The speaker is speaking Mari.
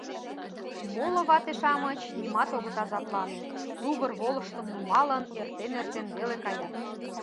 Моло вате-шамыч нимат огыт азаплане, тувыр волыштым нумалын, эртен-эртен веле каят.